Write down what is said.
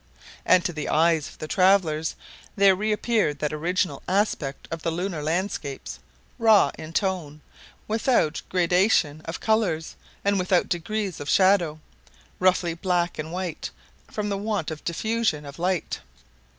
And to the eyes of the travelers there reappeared that original aspect of the lunar landscapes, raw in tone, without gradation of colors, and without degrees of shadow, roughly black and white, from the want of diffusion of light.